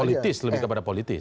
politis lebih kepada politis